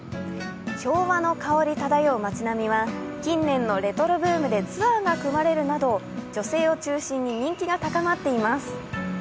昭和の香り漂う町並みは近年のレトロブームでツアーが組まれるなど女性を中心に人気が高まっています。